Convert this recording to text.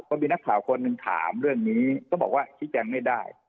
ก็มีนักข่าวคนหนึ่งถามเรื่องนี้ก็บอกว่าชี้แจงไม่ได้